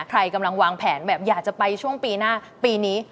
ใครกำลังวางแผนแบบอยากจะไปช่วงปีหน้าปีนี้